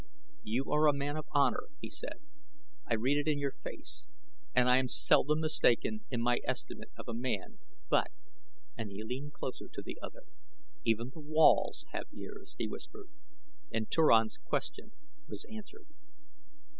"You are a man of honor," he said; "I read it in your face, and I am seldom mistaken in my estimate of a man; but " and he leaned closer to the other "even the walls have ears," he whispered, and Turan's question was answered.